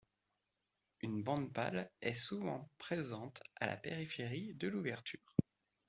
Une bande pâle est souvent présente à la périphérie de l'ouverture.